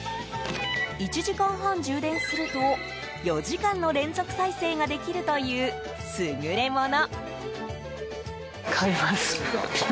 １時間半充電すると４時間の連続再生ができるという優れもの。